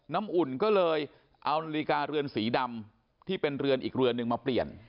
น้ำอุ่นก็เลยเอานาฬิกาเรือนสีดำที่เป็นเรือนอีกเรือนหนึ่งมาเปลี่ยน